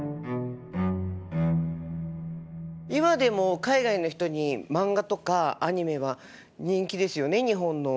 今でも海外の人に漫画とかアニメは人気ですよね日本の。